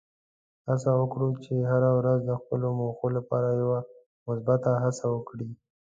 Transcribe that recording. هڅه وکړه چې هره ورځ د خپلو موخو لپاره یوه مثبته هڅه وکړې.